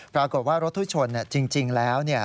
ปรากฏว่ารถที่ชนจริงแล้ว